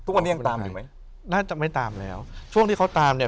ทุกวันนี้ยังตามอยู่ไหมน่าจะไม่ตามแล้วช่วงที่เขาตามเนี่ย